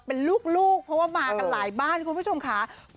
เป็นลูกเพราะว่ามากันหลายบ้านคุณผู้ชมค่ะ